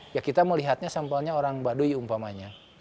ya kita melihatnya sampelnya orang baduy umpamanya